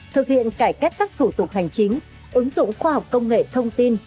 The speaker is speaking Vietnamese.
thực hiện cải cách các thủ tục hành chính ứng dụng khoa học công nghệ thông tin